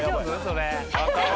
それ。